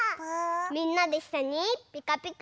みんなでいっしょにピカピカ。